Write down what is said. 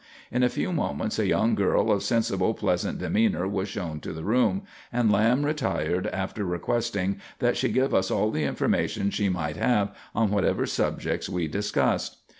In a few moments a young girl of sensible, pleasant demeanour was shown to the room, and Lamb retired after requesting that she give us all the information she might have on whatever subjects we discussed.